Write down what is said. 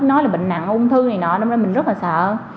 nói là bệnh nặng ung thư này nọ nên mình rất là sợ